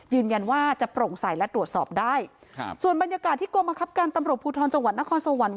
ยืนยันว่าจะโปร่งใสและตรวจสอบได้ครับส่วนบรรยากาศที่กรมคับการตำรวจภูทรจังหวัดนครสวรรค